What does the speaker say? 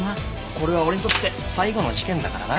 これは俺にとって最後の事件だからな。